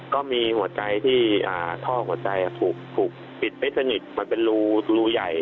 ก็มีหัวใจที่ท่อหัวใจถูกปิดไม่สนิทมันเป็นรูใหญ่